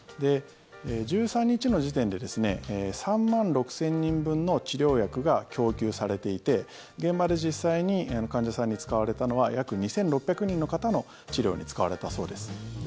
１３日の時点で３万６０００人分の治療薬が供給されていて現場で実際に患者さんに使われたのは約２６００人の方の治療に使われたそうです。